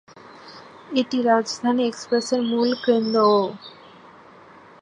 এটি রাজধানী এক্সপ্রেসের মূল কেন্দ্রও।